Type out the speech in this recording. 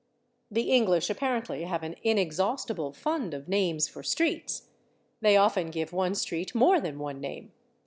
The English apparently have an inexhaustible fund of names for streets; they often give one street more than one name.